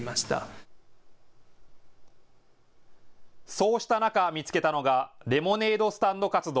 そうした中、見つけたのがレモネードスタンド活動。